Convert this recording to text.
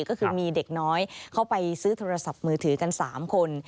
ก็คือมีเด็กน้อยเข้าไปซื้อโทรศัพท์มือถือกัน๓คน